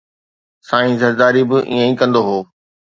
سائين زرداري به ائين ئي ڪندو هو